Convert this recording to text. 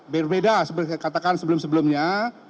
beda beda seperti katakan sebelum sebelumnya